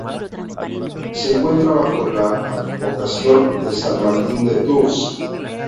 Se encuentra bajo la advocación de san Martín de Tours.